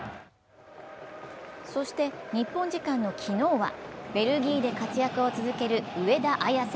そして日本時間の昨日はベルギーで活躍を続ける上田綺世。